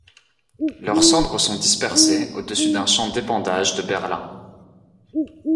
Leurs cendres sont dispersées au-dessus d’un champ d’épandage de Berlin.